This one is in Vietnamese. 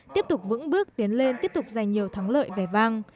tiếp tục vững bước tiến lên tiếp tục giành nhiều thắng lợi vẻ vang